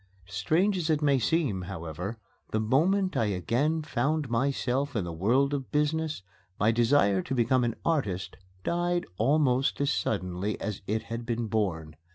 Strange as it may seem, however, the moment I again found myself in the world of business my desire to become an artist died almost as suddenly as it had been born.